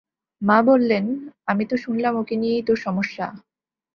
মা বললেন, আমি তো শুনলাম ওকে নিয়েই তোর সমস্যা।